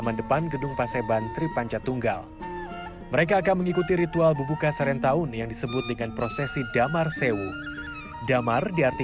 mau ikut menyaksikan ikut mengikuti upacara adat di sini